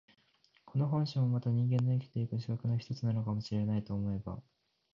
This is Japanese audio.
この本性もまた人間の生きて行く資格の一つなのかも知れないと思えば、